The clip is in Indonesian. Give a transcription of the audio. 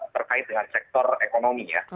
terkait dengan sektor ekonomi ya